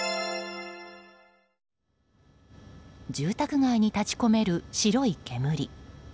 住宅街に立ち込める白い煙。